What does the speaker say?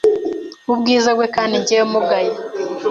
ubwiza bwe kandi njyewe mugaye